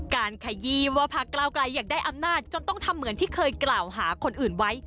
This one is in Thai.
ขยีว่าพักเก้าไกลอยากได้อำนาจจนต้องทำเหมือนที่เคยกล่าวหาคนอื่นไว้